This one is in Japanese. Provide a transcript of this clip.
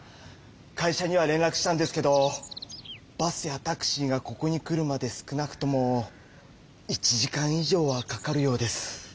会社には連らくしたんですけどバスやタクシーがここに来るまで少なくとも１時間以上はかかるようです。